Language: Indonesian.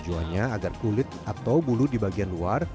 tujuannya agar kulit atau bulu di bagian luar